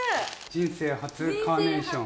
人生初、カーネーション。